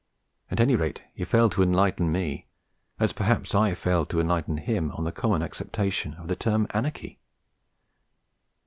At any rate he failed to enlighten me, as perhaps I failed to enlighten him on the common acceptation of the term 'anarchy.'